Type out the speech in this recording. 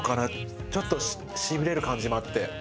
ちょっと痺れる感じもあって。